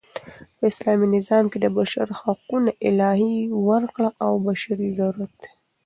په اسلامي نظام کښي د بشر حقونه الهي ورکړه او بشري ضرورت دئ.